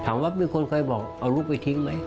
มีคนเคยบอกเอาลูกไปทิ้งไหม